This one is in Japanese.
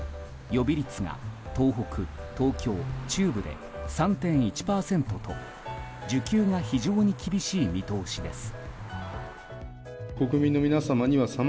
予備率が東北、東京、中部で３．１％と需給が非常に厳しい見通しです。